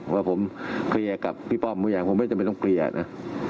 ว่าผมเคลียร์กับพี่ป้อมทุกอย่างผมไม่จำเป็นต้องเคลียร์นะ